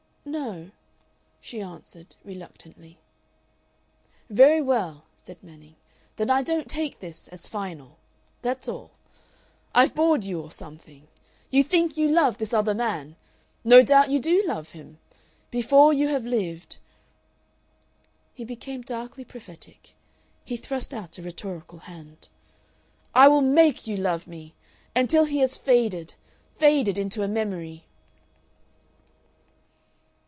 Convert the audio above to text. "No," she answered, reluctantly. "Very well," said Manning. "Then I don't take this as final. That's all. I've bored you or something.... You think you love this other man! No doubt you do love him. Before you have lived " He became darkly prophetic. He thrust out a rhetorical hand. "I will MAKE you love me! Until he has faded faded into a memory..."